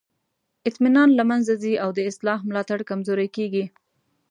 اطمینان له منځه ځي او د اصلاح ملاتړ کمزوری کیږي.